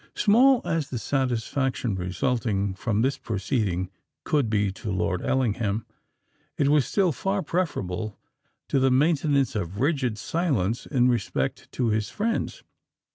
Small as the satisfaction resulting from this proceeding could be to Lord Ellingham, it was still far preferable to the maintenance of a rigid silence in respect to his friends.